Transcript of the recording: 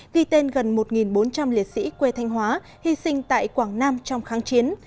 ghi tên gần một bốn trăm linh liệt sĩ quê thanh hóa hy sinh tại quảng nam trong kháng chiến